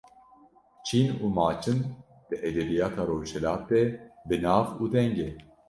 Çîn û Maçin di edebiyata rojhilat de bi nav û deng e.